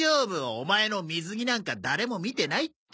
オマエの水着なんか誰も見てないって。